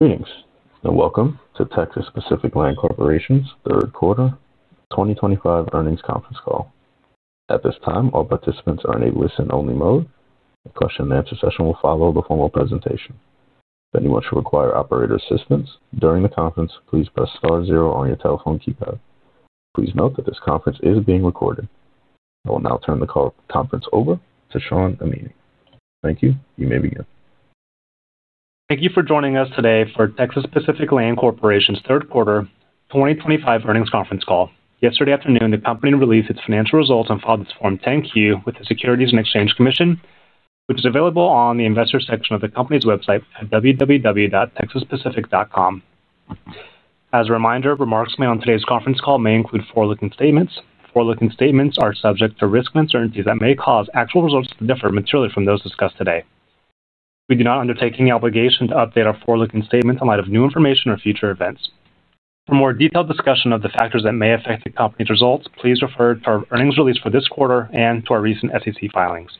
Thanks. Welcome to Texas Pacific Land Corporation's third quarter 2025 earnings conference call. At this time, all participants are in a listen-only mode. The question-and-answer session will follow the formal presentation. If anyone should require operator assistance during the conference, please press star zero on your telephone keypad. Please note that this conference is being recorded. I will now turn the conference over to Shawn Amini. Thank you. You may begin. Thank you for joining us today for Texas Pacific Land Corporation's third quarter 2025 earnings conference call. Yesterday afternoon, the company released its financial results and filed its Form 10-Q with the Securities and Exchange Commission, which is available on the investor section of the company's website at www.texaspacific.com. As a reminder, remarks made on today's conference call may include forward-looking statements. Forward-looking statements are subject to risk and uncertainties that may cause actual results to differ materially from those discussed today. We do not undertake any obligation to update our forward-looking statements in light of new information or future events. For more detailed discussion of the factors that may affect the company's results, please refer to our earnings release for this quarter and to our recent SEC filings.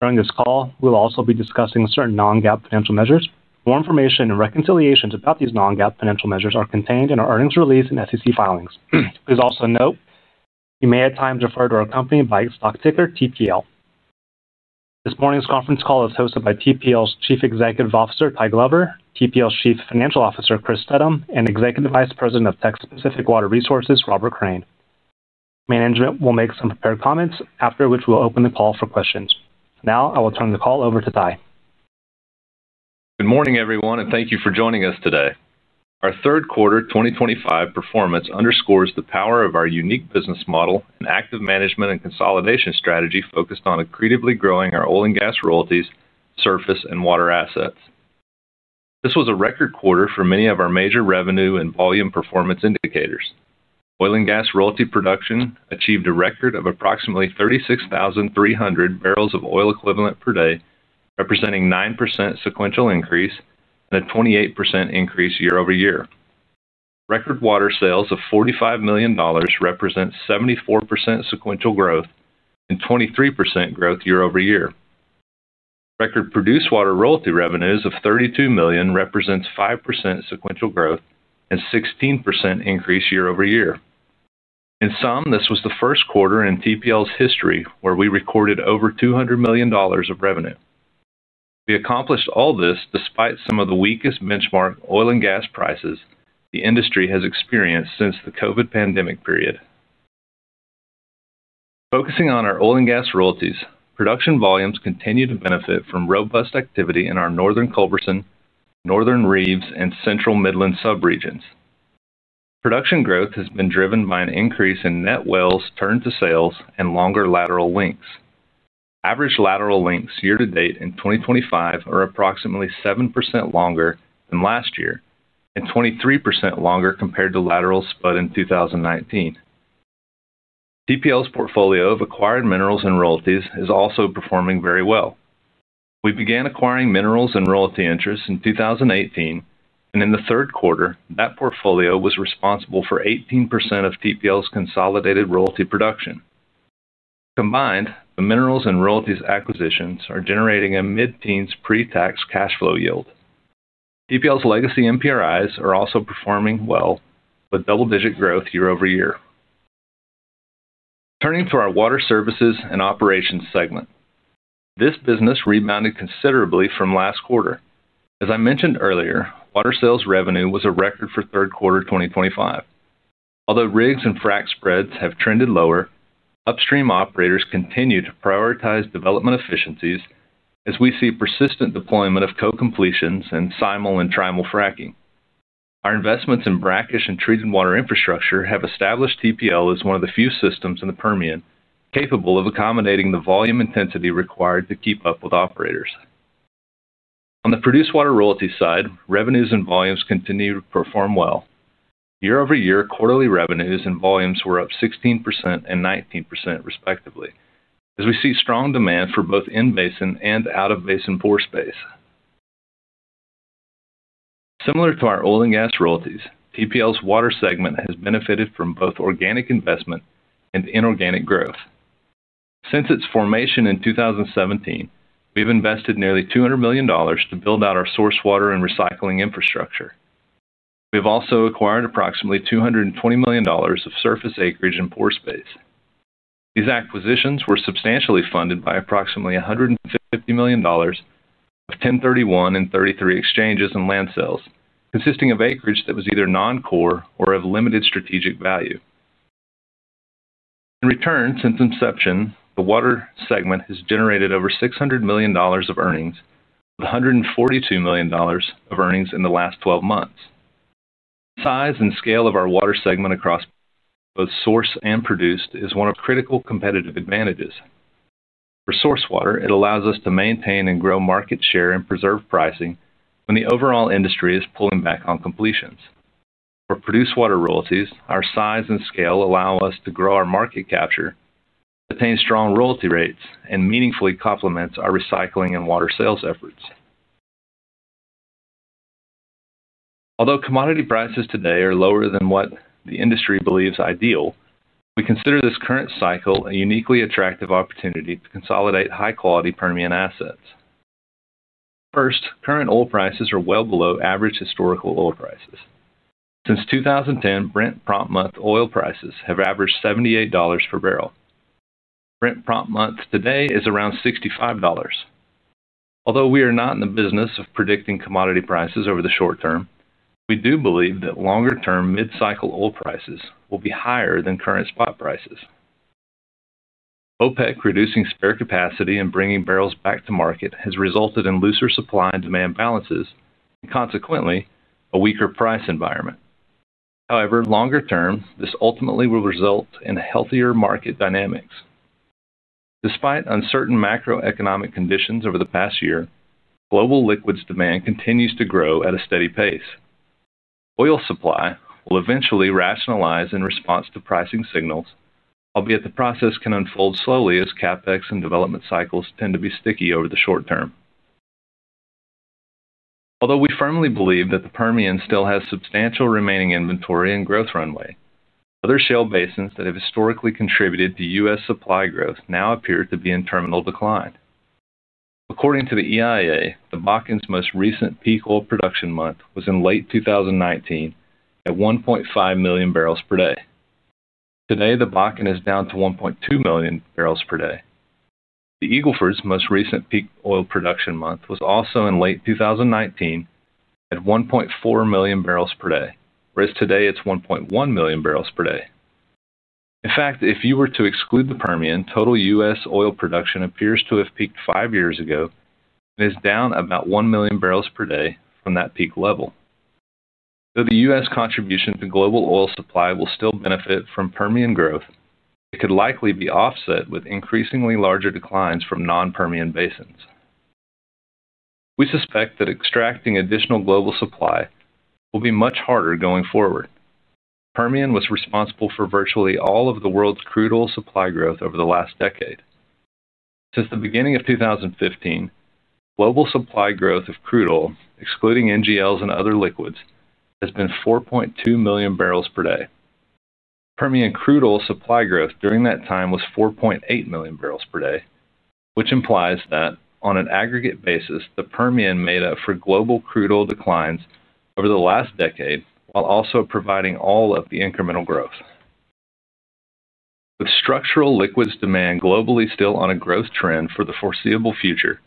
During this call, we will also be discussing certain Non-GAAP financial measures. More information and reconciliations about these Non-GAAP financial measures are contained in our earnings release and SEC filings. Please also note you may at times refer to our company by its stock ticker, TPL. This morning's conference call is hosted by TPL's Chief Executive Officer, Ty Glover, TPL's Chief Financial Officer, Chris Steddum, and Executive Vice President of Texas Pacific Water Resources, Robert Crain. Management will make some prepared comments, after which we will open the call for questions. Now, I will turn the call over to Ty. Good morning, everyone, and thank you for joining us today. Our third quarter 2025 performance underscores the power of our unique business model and active management and consolidation strategy focused on accretively growing our oil and gas royalties, surface, and water assets. This was a record quarter for many of our major revenue and volume performance indicators. Oil and gas royalty production achieved a record of approximately 36,300 barrels of oil equivalent per day, representing a 9% sequential increase and a 28% increase year-over-year. Record water sales of $45 million represent 74% sequential growth and 23% growth year-over-year. Record produced water royalty revenues of $32 million represent 5% sequential growth and a 16% increase year-over-year. In sum, this was the first quarter in TPL's history where we recorded over $200 million of revenue. We accomplished all this despite some of the weakest benchmark oil and gas prices the industry has experienced since the COVID pandemic period. Focusing on our oil and gas royalties, production volumes continue to benefit from robust activity in our northern Culberson, northern Reeves, and central Midland subregions. Production growth has been driven by an increase in net wells turned to sales and longer lateral lengths. Average lateral lengths year-to-date in 2025 are approximately 7% longer than last year and 23% longer compared to laterals split in 2019. TPL's portfolio of acquired minerals and royalties is also performing very well. We began acquiring minerals and royalty interests in 2018, and in the third quarter, that portfolio was responsible for 18% of TPL's consolidated royalty production. Combined, the minerals and royalties acquisitions are generating a mid-teens pre-tax cash flow yield. TPL's legacy MPRIs are also performing well with double-digit growth year-over-year. Turning to our water services and operations segment, this business rebounded considerably from last quarter. As I mentioned earlier, water sales revenue was a record for third quarter 2025. Although rigs and frac spreads have trended lower, upstream operators continue to prioritize development efficiencies as we see persistent deployment of co-completions and simulfrac and trimulfrac. Our investments in brackish and treated water infrastructure have established TPL as one of the few systems in the Permian capable of accommodating the volume intensity required to keep up with operators. On the produced water royalty side, revenues and volumes continue to perform well. Year-over-year, quarterly revenues and volumes were up 16% and 19%, respectively, as we see strong demand for both in-basin and out-of-basin pore space. Similar to our oil and gas royalties, TPL's water segment has benefited from both organic investment and inorganic growth. Since its formation in 2017, we've invested nearly $200 million to build out our source water and recycling infrastructure. We have also acquired approximately $220 million of surface acreage and pore space. These acquisitions were substantially funded by approximately $150 million of 1031 and 33 exchanges and land sales, consisting of acreage that was either non-core or of limited strategic value. In return, since inception, the water segment has generated over $600 million of earnings with $142 million of earnings in the last 12 months. The size and scale of our water segment across both source and produced is one of critical competitive advantages. For source water, it allows us to maintain and grow market share and preserve pricing when the overall industry is pulling back on completions. For produced water royalties, our size and scale allow us to grow our market capture, attain strong royalty rates, and meaningfully complement our recycling and water sales efforts. Although commodity prices today are lower than what the industry believes ideal, we consider this current cycle a uniquely attractive opportunity to consolidate high-quality Permian assets. First, current oil prices are well below average historical oil prices. Since 2010, Brent prompt month oil prices have averaged $78 per barrel. Brent prompt month today is around $65. Although we are not in the business of predicting commodity prices over the short term, we do believe that longer-term mid-cycle oil prices will be higher than current spot prices. OPEC reducing spare capacity and bringing barrels back to market has resulted in looser supply and demand balances and, consequently, a weaker price environment. However, longer term, this ultimately will result in healthier market dynamics. Despite uncertain macroeconomic conditions over the past year, global liquids demand continues to grow at a steady pace. Oil supply will eventually rationalize in response to pricing signals, albeit the process can unfold slowly as CapEx and development cycles tend to be sticky over the short term. Although we firmly believe that the Permian still has substantial remaining inventory and growth runway, other shale basins that have historically contributed to U.S. supply growth now appear to be in terminal decline. According to the EIA, the Bakken's most recent peak oil production month was in late 2019 at 1.5 MMbpd. Today, the Bakken is down to 1.2 MMbpd. The Eagle Ford's most recent peak oil production month was also in late 2019 at 1.4 MMbpd, whereas today it's 1.1 MMbpd. In fact, if you were to exclude the Permian, total U.S. oil production appears to have peaked five years ago and is down about 1 MMbpd from that peak level. Though the U.S. contribution to global oil supply will still benefit from Permian growth, it could likely be offset with increasingly larger declines from non-Permian basins. We suspect that extracting additional global supply will be much harder going forward. The Permian was responsible for virtually all of the world's crude oil supply growth over the last decade. Since the beginning of 2015, global supply growth of crude oil, excluding NGLs and other liquids, has been 4.2 MMbpd. Permian crude oil supply growth during that time was 4.8 MMbpd, which implies that, on an aggregate basis, the Permian made up for global crude oil declines over the last decade while also providing all of the incremental growth. With structural liquids demand globally still on a growth trend for the foreseeable future,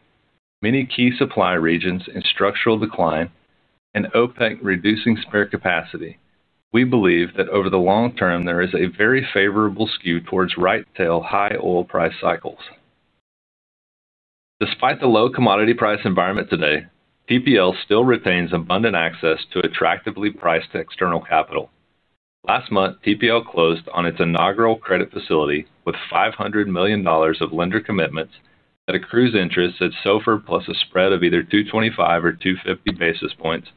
many key supply regions in structural decline, and OPEC reducing spare capacity, we believe that over the long term there is a very favorable skew towards right-tail high oil price cycles. Despite the low commodity price environment today, TPL still retains abundant access to attractively priced external capital. Last month, TPL closed on its inaugural credit facility with $500 million of lender commitments that accrues interest at SOFR plus a spread of either 225 or 250 basis points,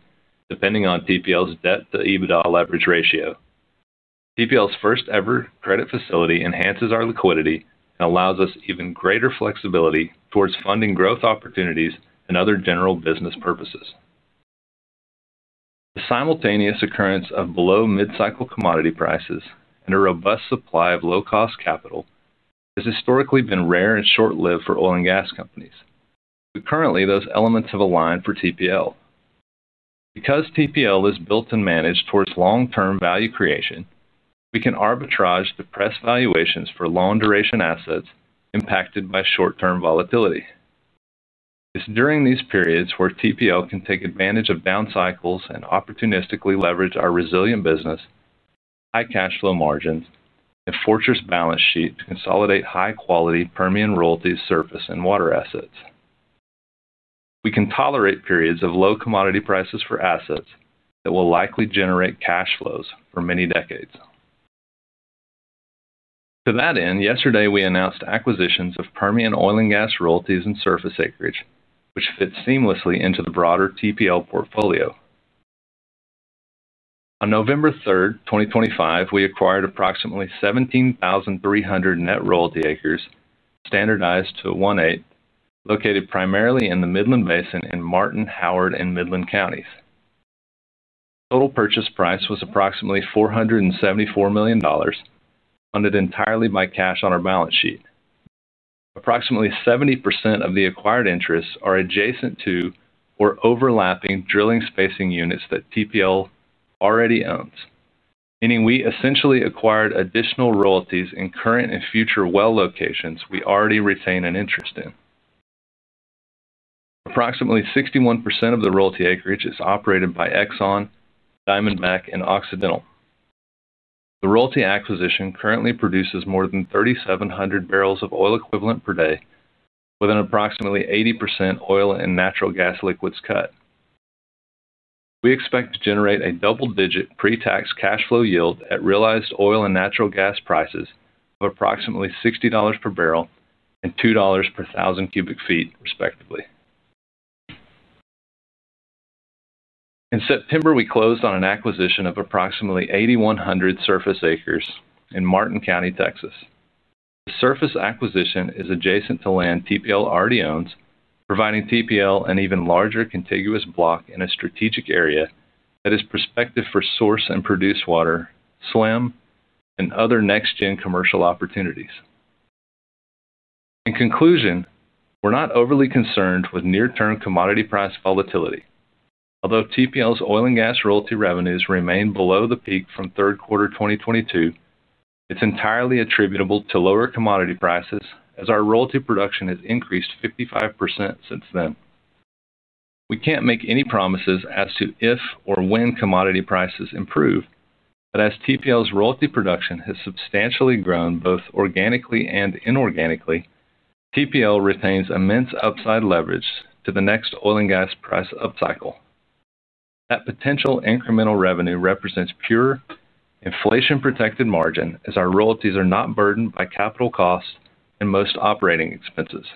depending on TPL's debt-to-EBITDA leverage ratio. TPL's first-ever credit facility enhances our liquidity and allows us even greater flexibility towards funding growth opportunities and other general business purposes. The simultaneous occurrence of below mid-cycle commodity prices and a robust supply of low-cost capital has historically been rare and short-lived for oil and gas companies, but currently those elements have aligned for TPL. Because TPL is built and managed towards long-term value creation, we can arbitrage to press valuations for long-duration assets impacted by short-term volatility. It's during these periods where TPL can take advantage of down cycles and opportunistically leverage our resilient business with high cash flow margins and a fortress balance sheet to consolidate high-quality Permian royalty surface and water assets. We can tolerate periods of low commodity prices for assets that will likely generate cash flows for many decades. To that end, yesterday we announced acquisitions of Permian oil and gas royalties and surface acreage, which fit seamlessly into the broader TPL portfolio. On November 3, 2025, we acquired approximately 17,300 net royalty acres standardized to a 1/8, located primarily in the Midland Basin in Martin, Howard, and Midland counties. Total purchase price was approximately $474 million. Funded entirely by cash on our balance sheet. Approximately 70% of the acquired interests are adjacent to or overlapping drilling spacing units that TPL already owns, meaning we essentially acquired additional royalties in current and future well locations we already retain an interest in. Approximately 61% of the royalty acreage is operated by ExxonMobil, Diamondback Energy, and Occidental Petroleum. The royalty acquisition currently produces more than 3,700 bbl of oil equivalent per day, with an approximately 80% oil and natural gas liquids cut. We expect to generate a double-digit pre-tax cash flow yield at realized oil and natural gas prices of approximately $60 per barrel and $2 per 1,000 cu ft, respectively. In September, we closed on an acquisition of approximately 8,100 surface acres in Martin County, Texas. The surface acquisition is adjacent to land TPL already owns, providing TPL an even larger contiguous block in a strategic area that is prospective for source and produced water, SLAM, and other next-gen commercial opportunities. In conclusion, we're not overly concerned with near-term commodity price volatility. Although TPL's oil and gas royalty revenues remain below the peak from third quarter 2022, it's entirely attributable to lower commodity prices as our royalty production has increased 55% since then. We can't make any promises as to if or when commodity prices improve, but as TPL's royalty production has substantially grown both organically and inorganically, TPL retains immense upside leverage to the next oil and gas price up cycle. That potential incremental revenue represents pure inflation-protected margin as our royalties are not burdened by capital costs and most operating expenses.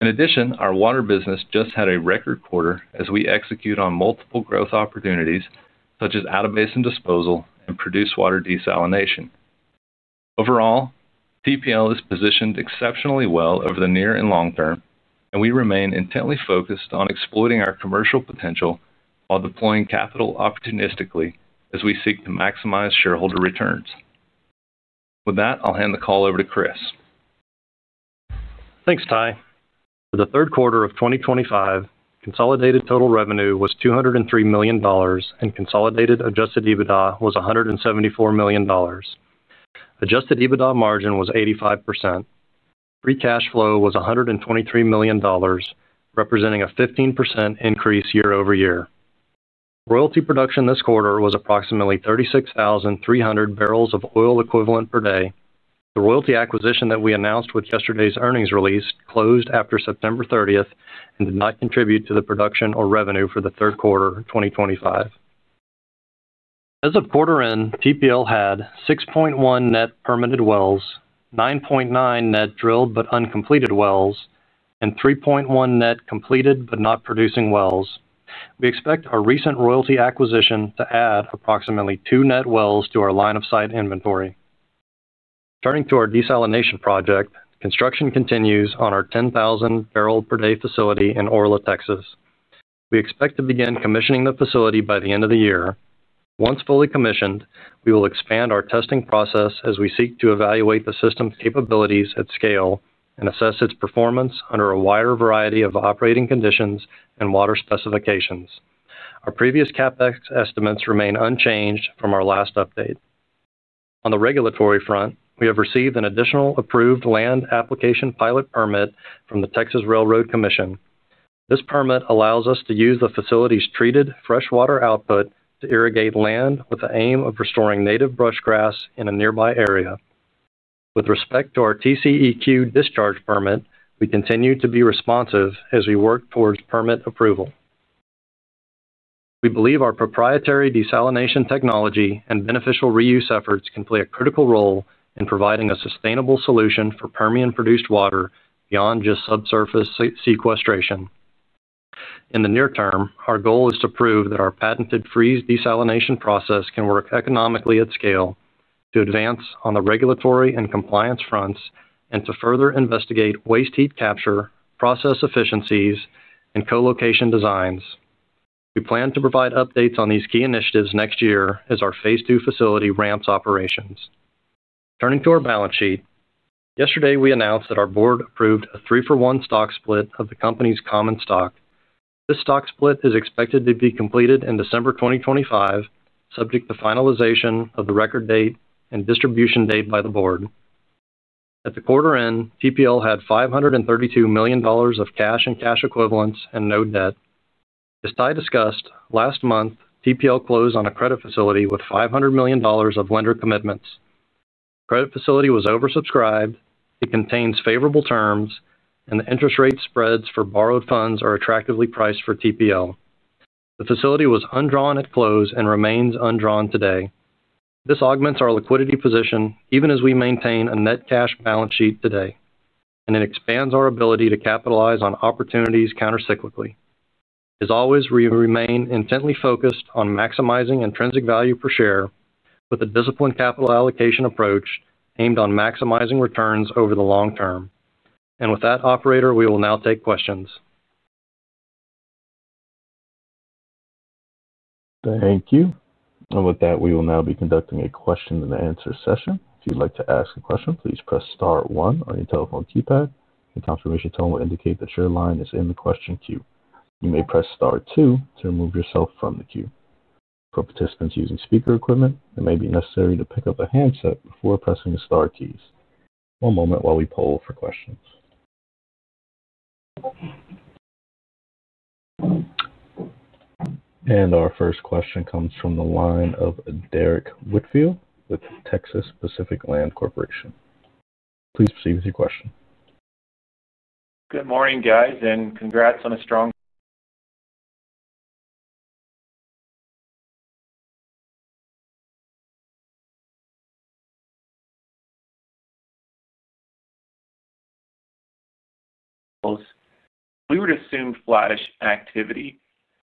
In addition, our water business just had a record quarter as we execute on multiple growth opportunities such as out-of-basin disposal and produced water desalination. Overall, TPL is positioned exceptionally well over the near and long term, and we remain intently focused on exploiting our commercial potential while deploying capital opportunistically as we seek to maximize shareholder returns. With that, I'll hand the call over to Chris. Thanks, Ty. For the third quarter of 2025, consolidated total revenue was $203 million, and consolidated Adjusted EBITDA was $174 million. Adjusted EBITDA margin was 85%. Free cash flow was $123 million, representing a 15% increase year-over-year. Royalty production this quarter was approximately 36,300 barrels of oil equivalent per day. The royalty acquisition that we announced with yesterday's earnings release closed after September 30 and did not contribute to the production or revenue for the third quarter 2025. As of quarter end, TPL had 6.1 net permitted wells, 9.9 net drilled but uncompleted wells, and 3.1 net completed but not producing wells. We expect our recent royalty acquisition to add approximately two net wells to our line of sight inventory. Turning to our desalination project, construction continues on our 10,000 bbl per day facility in Orla, Texas. We expect to begin commissioning the facility by the end of the year. Once fully commissioned, we will expand our testing process as we seek to evaluate the system's capabilities at scale and assess its performance under a wider variety of operating conditions and water specifications. Our previous CapEx estimates remain unchanged from our last update. On the regulatory front, we have received an additional approved land application pilot permit from the Texas Railroad Commission. This permit allows us to use the facility's treated freshwater output to irrigate land with the aim of restoring native brush grass in a nearby area. With respect to our TCEQ discharge permit, we continue to be responsive as we work towards permit approval. We believe our proprietary desalination technology and beneficial reuse efforts can play a critical role in providing a sustainable solution for Permian produced water beyond just subsurface sequestration. In the near term, our goal is to prove that our patented freeze desalination process can work economically at scale to advance on the regulatory and compliance fronts and to further investigate waste heat capture process efficiencies and colocation designs. We plan to provide updates on these key initiatives next year as our phase II facility ramps operations. Turning to our balance sheet, yesterday we announced that our board approved a three-for-one stock split of the company's common stock. This stock split is expected to be completed in December 2025, subject to finalization of the record date and distribution date by the board. At the quarter end, TPL had $532 million of cash and cash equivalents and no debt. As Ty discussed, last month, TPL closed on a credit facility with $500 million of lender commitments. The credit facility was oversubscribed. It contains favorable terms, and the interest rate spreads for borrowed funds are attractively priced for TPL. The facility was undrawn at close and remains undrawn today. This augments our liquidity position even as we maintain a net cash balance sheet today, and it expands our ability to capitalize on opportunities countercyclically. As always, we remain intently focused on maximizing intrinsic value per share with a disciplined capital allocation approach aimed on maximizing returns over the long term. With that, operator, we will now take questions. Thank you. With that, we will now be conducting a question-and-answer session. If you'd like to ask a question, please press star one on your telephone keypad. The confirmation tone will indicate that your line is in the question queue. You may press star two to remove yourself from the queue. For participants using speaker equipment, it may be necessary to pick up a handset before pressing the Star keys. One moment while we poll for questions. Our first question comes from the line of Derrick Whitfield with [Texas Pacific Land Corporation]. Please proceed with your question. Good morning, guys, and congrats on a strong. We would assume flattish activity.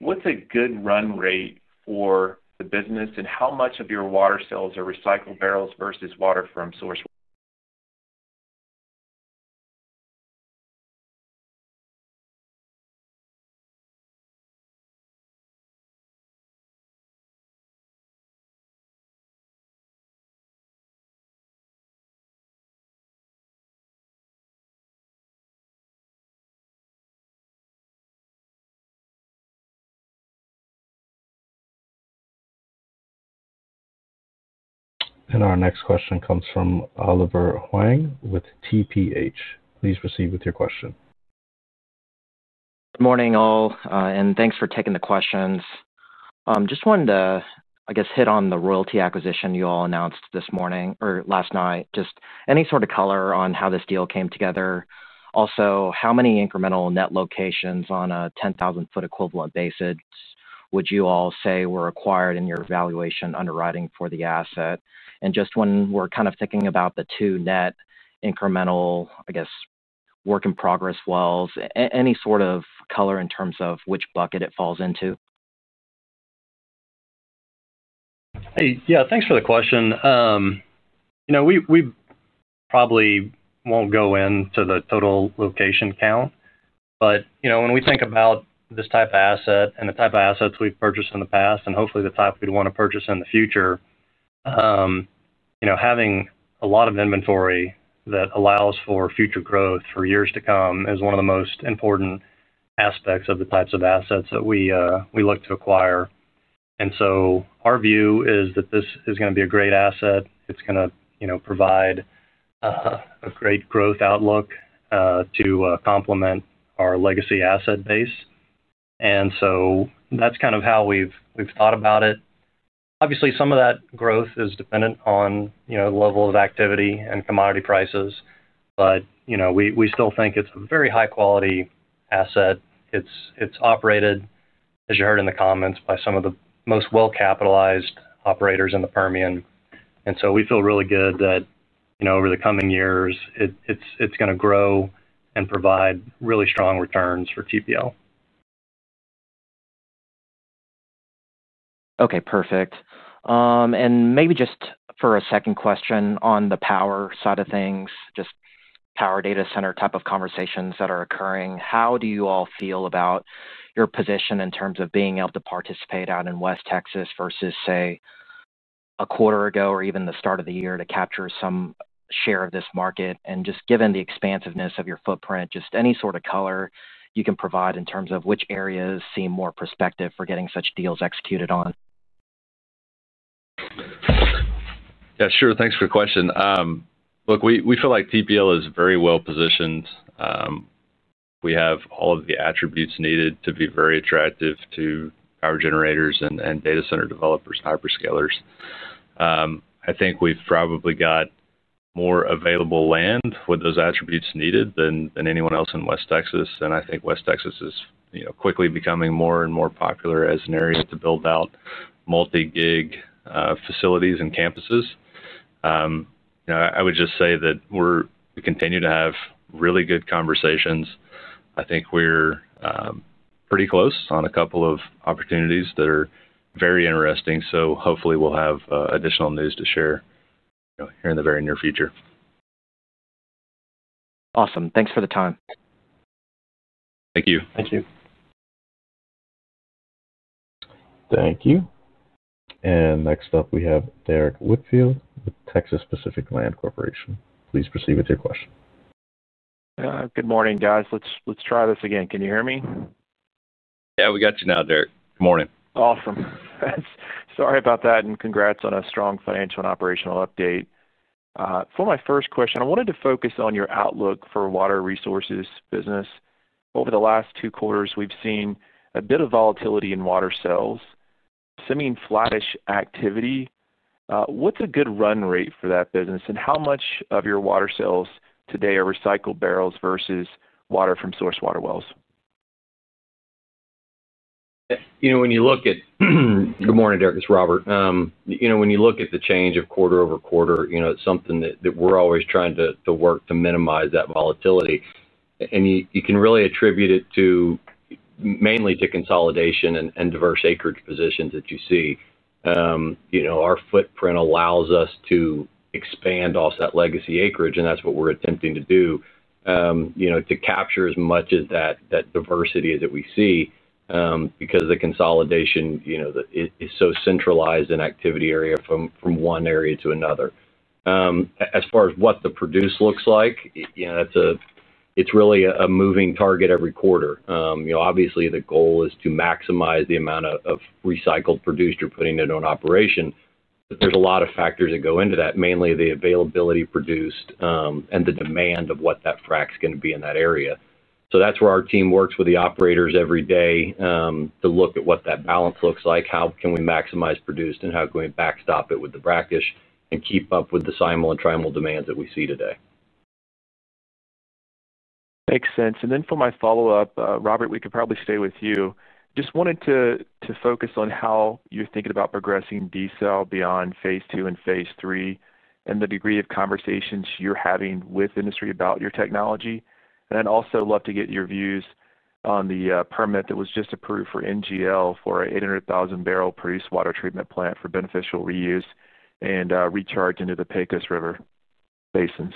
What's a good run rate for the business, and how much of your water sales are recycled barrels versus water from source? Our next question comes from Oliver Huang with TPH. Please proceed with your question. Good morning, all, and thanks for taking the questions. Just wanted to, I guess, hit on the royalty acquisition you all announced this morning or last night. Just any sort of color on how this deal came together. Also, how many incremental net locations on a 10,000 ft equivalent basis would you all say were acquired in your evaluation underwriting for the asset? Just when we're kind of thinking about the two net incremental, I guess, work in progress wells, any sort of color in terms of which bucket it falls into? Yeah, thanks for the question. We probably will not go into the total location count, but when we think about this type of asset and the type of assets we have purchased in the past and hopefully the type we would want to purchase in the future, having a lot of inventory that allows for future growth for years to come is one of the most important aspects of the types of assets that we look to acquire. Our view is that this is going to be a great asset. It is going to provide. A great growth outlook to complement our legacy asset base. That is kind of how we have thought about it. Obviously, some of that growth is dependent on the level of activity and commodity prices, but we still think it is a very high-quality asset. It is operated, as you heard in the comments, by some of the most well-capitalized operators in the Permian. We feel really good that over the coming years, it is going to grow and provide really strong returns for TPL. Okay, perfect. Maybe just for a second question on the power side of things, just power data center type of conversations that are occurring, how do you all feel about your position in terms of being able to participate out in West Texas versus, say, a quarter ago or even the start of the year to capture some share of this market? Just given the expansiveness of your footprint, any sort of color you can provide in terms of which areas seem more prospective for getting such deals executed on. Yeah, sure. Thanks for the question. Look, we feel like TPL is very well positioned. We have all of the attributes needed to be very attractive to power generators and data center developers, hyperscalers. I think we've probably got more available land with those attributes needed than anyone else in West Texas. I think West Texas is quickly becoming more and more popular as an area to build out multi-gig facilities and campuses. I would just say that we continue to have really good conversations. I think we're pretty close on a couple of opportunities that are very interesting. Hopefully, we'll have additional news to share here in the very near future. Awesome. Thanks for the time. Thank you. Thank you. And next up, we have Derrick Whitfield with [Texas Pacific Land Corporation]. Please proceed with your question. Good morning, guys. Let's try this again. Can you hear me? Yeah, we got you now, Derek. Good morning. Awesome. Sorry about that. And congrats on a strong financial and operational update. For my first question, I wanted to focus on your outlook for water resources business. Over the last two quarters, we've seen a bit of volatility in water sales, assuming flattish activity. What's a good run rate for that business, and how much of your water sales today are recycled barrels versus water from source water wells? When you look at—good morning, Derrick. It's Robert. When you look at the change of quarter-over-quarter, it's something that we're always trying to work to minimize that volatility. And you can really attribute it to. Mainly due to consolidation and diverse acreage positions that you see. Our footprint allows us to expand off that legacy acreage, and that's what we're attempting to do. To capture as much of that diversity as we see because the consolidation is so centralized in activity area from one area to another. As far as what the produce looks like, it's really a moving target every quarter. Obviously, the goal is to maximize the amount of recycled produce you're putting into an operation, but there's a lot of factors that go into that, mainly the availability of produce and the demand of what that frac is going to be in that area. That's where our team works with the operators every day. To look at what that balance looks like, how can we maximize produced, and how can we backstop it with the brackish and keep up with the simul and trimul demands that we see today. Makes sense. For my follow-up, Robert, we could probably stay with you. Just wanted to focus on how you're thinking about progressing DSEL beyond phase II and phase III and the degree of conversations you're having with industry about your technology. I'd also love to get your views on the permit that was just approved for NGL for an 800,000-barrel produced water treatment plant for beneficial reuse and recharge into the Pecos River Basin.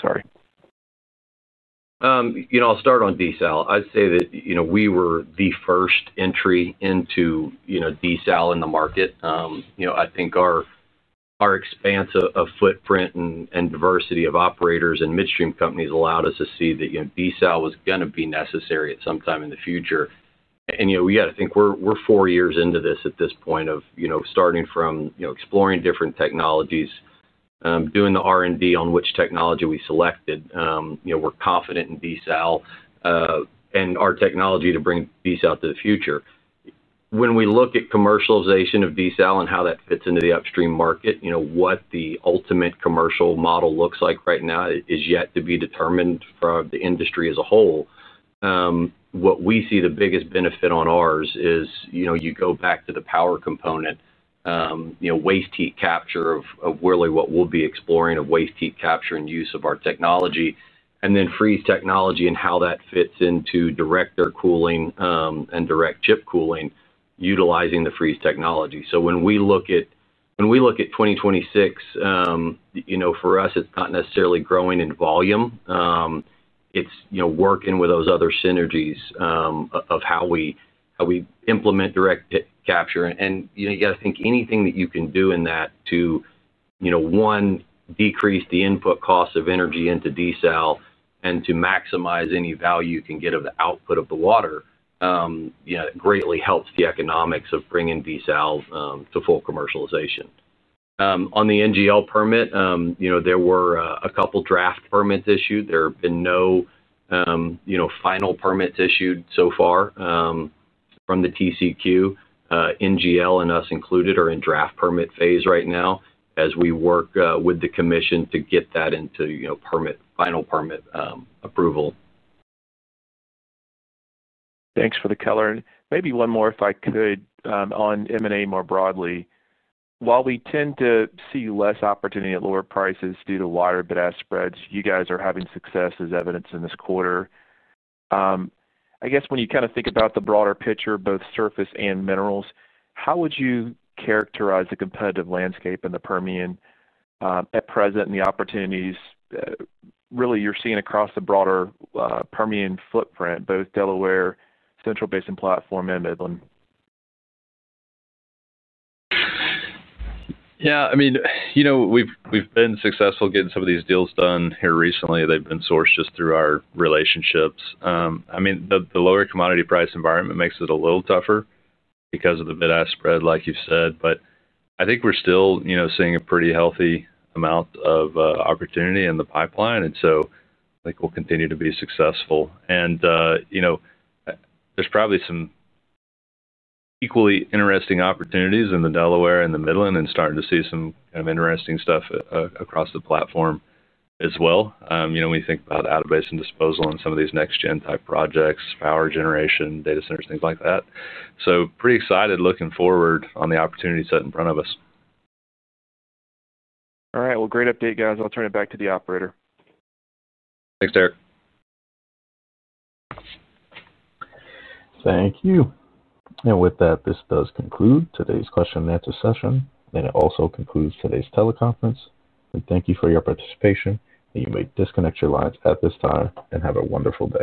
Sorry. I'll start on DSEL. I'd say that we were the first entry into DSEL in the market. I think our expanse of footprint and diversity of operators and midstream companies allowed us to see that desal was going to be necessary at some time in the future. Yeah, I think we're four years into this at this point of starting from exploring different technologies, doing the R&D on which technology we selected. We're confident in desal and our technology to bring desal to the future. When we look at commercialization of desal and how that fits into the upstream market, what the ultimate commercial model looks like right now is yet to be determined from the industry as a whole. What we see the biggest benefit on ours is you go back to the power component. Waste heat capture is really what we will be exploring, waste heat capture and use of our technology, and then freeze technology and how that fits into direct air cooling and direct chip cooling utilizing the freeze technology. When we look at 2026, for us, it is not necessarily growing in volume. It is working with those other synergies of how we implement direct capture. You have to think anything that you can do in that to, one, decrease the input cost of energy into DSEL and to maximize any value you can get out of the output of the water greatly helps the economics of bringing DSEL to full commercialization. On the NGL permit, there were a couple of draft permits issued. There have been no final permits issued so far from the TCEQ. NGL and us included are in draft permit phase right now as we work with the commission to get that into final permit approval. Thanks for the color. Maybe one more, if I could, on M&A more broadly. While we tend to see less opportunity at lower prices due to water bed spreads, you guys are having success, as evidenced in this quarter. I guess when you kind of think about the broader picture, both surface and minerals, how would you characterize the competitive landscape in the Permian at present and the opportunities really you're seeing across the broader Permian footprint, both Delaware, Central Basin Platform, and Midland? Yeah. I mean, we've been successful getting some of these deals done here recently. They've been sourced just through our relationships. I mean, the lower commodity price environment makes it a little tougher because of the bid-ask spread, like you've said. I think we're still seeing a pretty healthy amount of opportunity in the pipeline. I think we'll continue to be successful. There's probably some equally interesting opportunities in the Delaware and the Midland and starting to see some kind of interesting stuff across the platform as well when you think about out-of-basin disposal and some of these next-gen type projects, power generation, data centers, things like that. Pretty excited looking forward on the opportunity set in front of us. Great update, guys. I'll turn it back to the operator. Thanks, Derrick. Thank you. With that, this does conclude today's question-and-answer session. It also concludes today's teleconference. Thank you for your participation. You may disconnect your lines at this time and have a wonderful day.